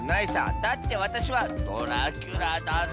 だってわたしはドラキュラだぞ！